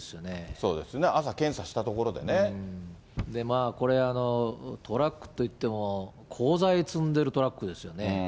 そうですね、これ、トラックといっても、工材積んでるトラックですよね。